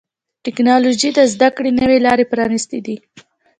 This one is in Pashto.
ټکنالوجي د زدهکړې نوي لارې پرانستې دي.